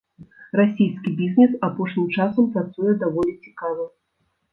Расійскі бізнес апошнім часам працуе даволі цікава.